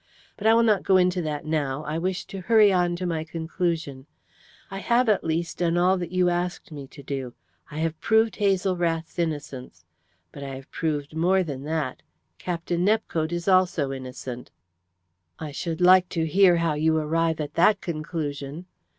But I will not go into that now I wish to hurry on to my conclusion. I have at least done all that you asked me to do; I have proved Hazel Rath's innocence. But I have proved more than that. Captain Nepcote is also innocent." "I should like to hear how you arrive at that conclusion."